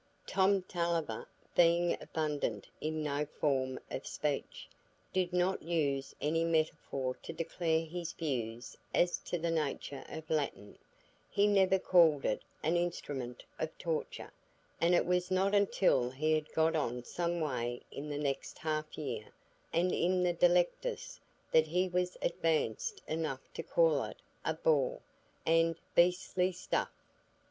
Tom Tulliver, being abundant in no form of speech, did not use any metaphor to declare his views as to the nature of Latin; he never called it an instrument of torture; and it was not until he had got on some way in the next half year, and in the Delectus, that he was advanced enough to call it a "bore" and "beastly stuff."